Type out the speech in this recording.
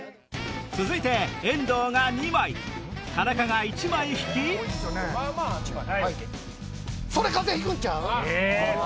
続いて遠藤が２枚田中が１枚引きえ？